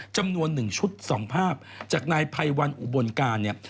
จำนวน๑ชุด๒ภาพจากนายภัยวันอุบลการเนี่ย